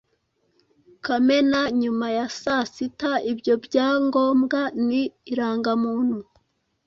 Kamena nyuma ya saa sita. Ibyo byangombwa ni irangamuntu,